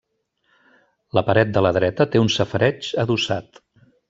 La paret de la dreta té un safareig adossat.